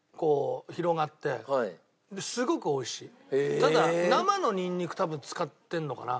ただ生のニンニク多分使ってるのかな？